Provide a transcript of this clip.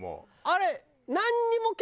あれ。